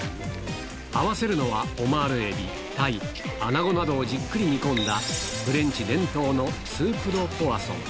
合わせるのはオマールエビ、タイ、アナゴなどをじっくり煮込んだ、フレンチ伝統のスープ・ド・ポワソン。